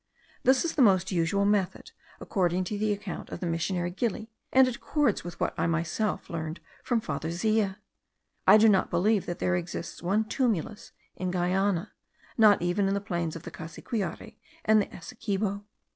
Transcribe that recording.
This is the most usual method, according to the account of the missionary Gili, and it accords with what I myself learned from Father Zea. I do not believe that there exists one tumulus in Guiana, not even in the plains of the Cassiquiare and the Essequibo.